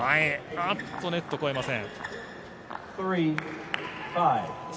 あっと、ネットを越えません。